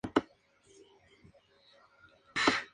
Así mantenían el espíritu trashumante que les era propio.